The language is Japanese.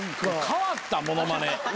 変わった『ものまね』